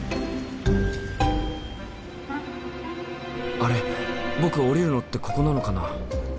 あれ僕降りるのってここなのかな？